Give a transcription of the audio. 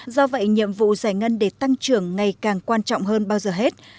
do vậy nhiệm vụ giải ngân để tăng trưởng ngày càng quan trọng hơn bao giờ hết